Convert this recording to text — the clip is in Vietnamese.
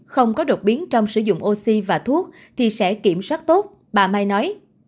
không có đột biến trong sử dụng oxy và thuốc thì sẽ kiểm soát tốt bà mai nói